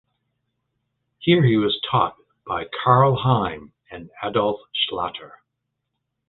Here he was taught by Karl Heim and Adolf Schlatter.